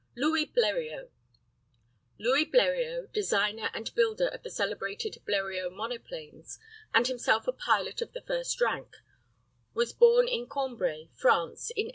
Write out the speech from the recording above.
LOUIS BLERIOT. LOUIS BLERIOT, designer and builder of the celebrated Bleriot monoplanes, and himself a pilot of the first rank, was born in Cambrai, France, in 1872.